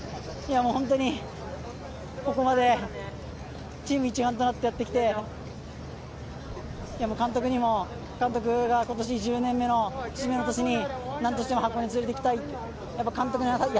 本当にここまでチーム一丸となってやってきて、監督が今年１０年目の節目の年になんとしても箱根に連れて行きたい。